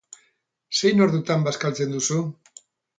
Zein ordutan bazkaltzen duzu?